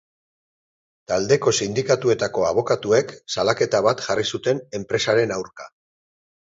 Taldeko sindikatuetako abokatuek salaketa bat jarri zuten enpresaren aurka.